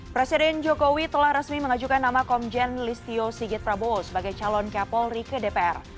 presiden jokowi telah resmi mengajukan nama komjen listio sigit prabowo sebagai calon kapolri ke dpr